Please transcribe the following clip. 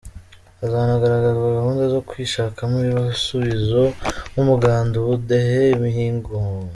Hazanagaragazwa gahunda zo kwishakamo ibisubizo nk’umuganda, ubudehe, imihigo.